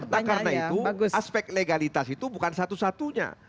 nah karena itu aspek legalitas itu bukan satu satunya